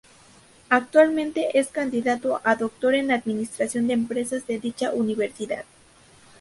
Actualmente es candidato a Doctor en Administración de Empresas de dicha universidad.